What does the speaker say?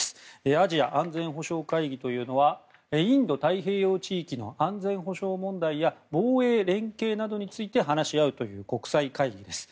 アジア安全保障会議というのはインド太平洋地域の安全保障問題や防衛連携などについて話し合うという国際会議です。